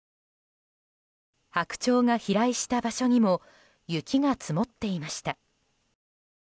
ハクチョウが飛来した場所にも雪が積もっていました。